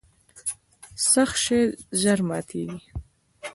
سخت شی ژر ماتیږي.